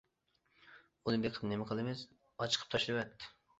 بۇنى بېقىپ نېمە قىلىمىز؟ ئاچىقىپ تاشلىۋەت!